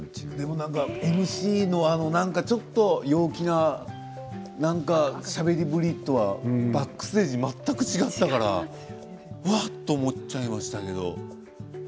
ＭＣの陽気なしゃべりぶりとはバックステージ全く違ったからうわって思っちゃいましたけど。